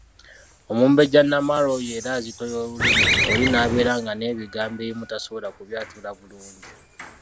Omumbejja Nnamaalwa oyo era azitoya olulimi oli n’abeera nga n'ebigambo ebimu tasobola kubyatula bulungi.